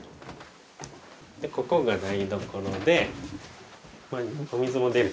でここが台所でお水も出るよ。